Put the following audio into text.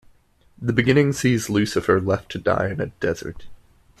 The beginning sees Lusiphur left to die in a desert.